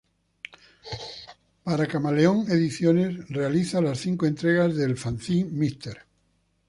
Para Camaleón Ediciones realiza las cinco entregas del fanzine "Mr.